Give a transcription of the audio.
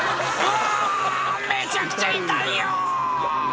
めちゃくちゃ痛いよ！」